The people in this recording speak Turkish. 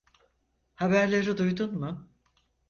Haberleri duydun mu?